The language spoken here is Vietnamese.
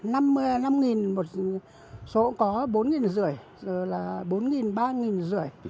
năm nghìn một số có bốn nghìn rưỡi giờ là bốn nghìn ba nghìn rưỡi